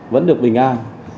vẫn được bình an